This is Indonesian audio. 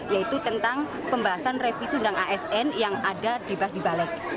yaitu tentang pembahasan revisi undang asn yang ada bebas di balik